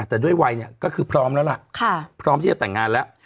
แต่ด้วยวัยเนี่ยก็คือพร้อมแล้วล่ะพร้อมที่จะแต่งงานแล้ว